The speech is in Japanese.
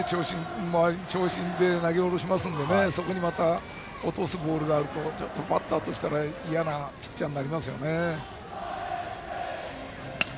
長身で投げ下ろしますのでそこにまた落とすボールがあるとちょっとバッターとしてはいやなピッチャーになりますね。